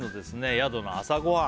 宿の朝ごはん